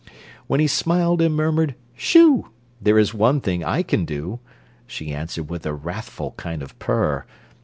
When he smiled and murmured: "Shoo!" "There is one thing I can do!" She answered with a wrathful kind of purr.